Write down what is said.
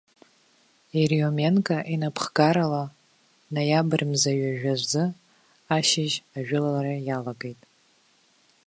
Ериоменко инапхгарала, ноиабр мза ҩажәа рзы ашьыжь ажәылара иалагеит.